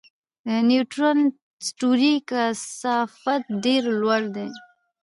د نیوټرون ستوري کثافت ډېر لوړ دی.